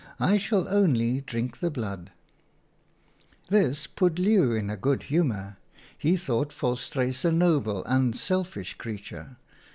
I shall only drink the blood/ " This put Leeuw in a good humour ; he thought Volstruis a noble, unselfish creature.